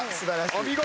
お見事！